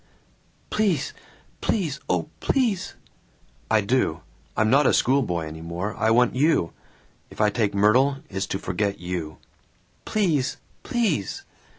"Please, please, oh, please!" "I do. I'm not a schoolboy any more. I want you. If I take Myrtle, it's to forget you." "Please, please!"